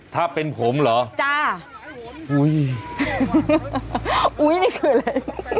ถ้าเป็นผมเหรอจ้าอุ้ยอุ้ยนี่คืออะไร